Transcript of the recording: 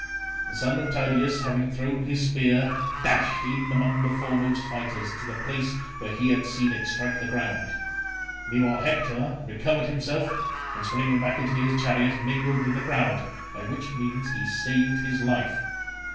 The son of Tydeus having thrown his spear dashed in among the foremost fighters, to the place where he had seen it strike the ground; meanwhile Hector recovered himself and springing back into his chariot mingled with the crowd, by which means he saved his life.